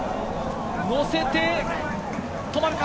のせて、止まるか？